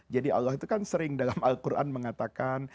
jadi allah itu kan sering dalam al quran mengatakan